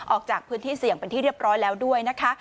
ออกจากพื้นที่เสี่ยงเป็นที่เรียบร้อยแล้วด้วยนะคะ